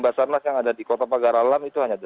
basarnas yang ada di kota pagar alam itu hanya